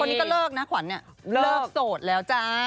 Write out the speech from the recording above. คนนี้ก็เลิกนะขวัญเลิกโสดแล้วจ้า